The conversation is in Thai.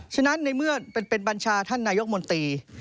ฉะนั้นในเมื่อเป็นบัญชาท่านนายกมนตรี